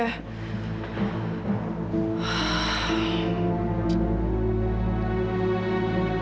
aku mau pergi